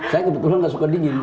saya kebetulan nggak suka dingin